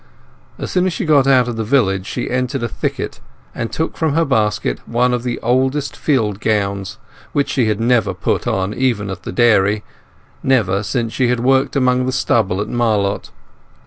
As soon as she got out of the village she entered a thicket and took from her basket one of the oldest field gowns, which she had never put on even at the dairy—never since she had worked among the stubble at Marlott.